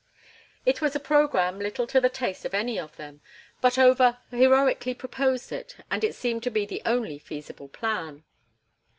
It was a programme little to the taste of any of them, but Over heroically proposed it, and it seemed to be the only feasible plan.